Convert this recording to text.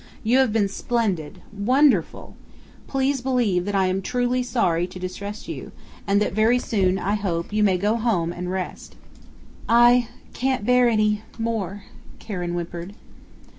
"You have been splendid wonderful! Please believe that I am truly sorry to distress you so, and that very soon, I hope, you may go home and rest." "I can't bear any more," Karen whimpered.